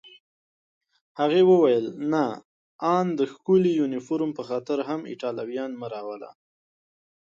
هغې وویل: نه، آن د ښکلي یونیفورم په خاطر هم ایټالویان مه راوله.